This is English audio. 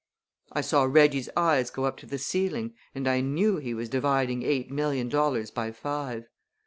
I saw Reggie's eyes go up to the ceiling and I knew he was dividing eight million dollars by five.